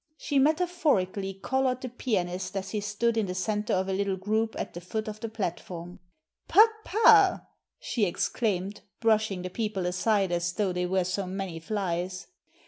She, metaphorically, collared the pianist as he stood in the centre of a little group at the foot of the platform. Papa !" she exclaimed, brushing the people aside as though they were so many flies.